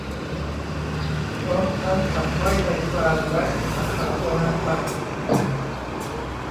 พร้อมทั้งขับไล่นายพรานและหมาขาวตัวนั้นไป